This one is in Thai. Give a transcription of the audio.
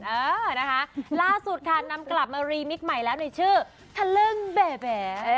เออนะคะล่าสุดค่ะนำกลับมารีมิตใหม่แล้วในชื่อทะลึ่งแบ